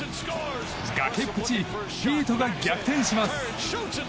崖っぷちヒートが逆転します！